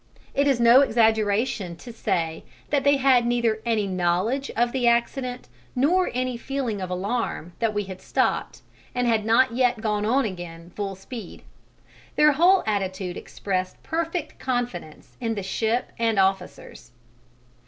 It is no exaggeration to say that they had neither any knowledge of the accident nor any feeling of alarm that we had stopped and had not yet gone on again full speed: their whole attitude expressed perfect confidence in the ship and officers.